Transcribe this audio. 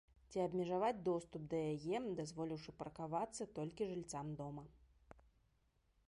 Ці абмежаваць доступ да яе, дазволіўшы паркавацца толькі жыльцам дома.